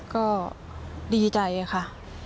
ก็ดีใจค่ะ